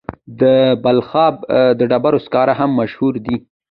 د بلخاب د ډبرو سکاره هم مشهور دي.